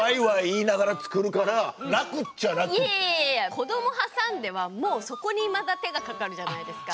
子ども挟んではもうそこにまた手がかかるじゃないですか。